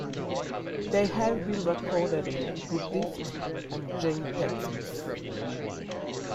They have been recorded in Buddhist and Jain texts.